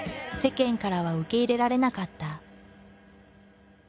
世間からは受け入れられなかった。